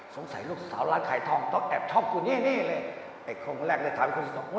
สงสัยลูกสาวร้านขายทองเขาแอบชอบกูเนี้ยเนี้ยเลยไอ้คนคนแรกเลยถามไอ้คนที่สอง